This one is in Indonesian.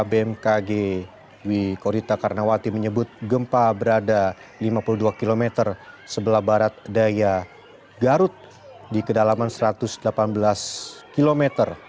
bmkg dwi korita karnawati menyebut gempa berada lima puluh dua km sebelah barat daya garut di kedalaman satu ratus delapan belas km